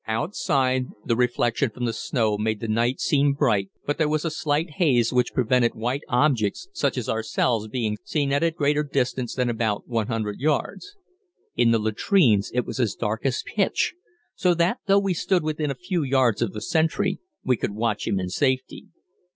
Outside, the reflection from the snow made the night seem bright, but there was a slight haze which prevented white objects such as ourselves being seen at a greater distance than about 100 yards. In the latrines it was as dark as pitch, so that, though we stood within a few yards of the sentry, we could watch him in safety.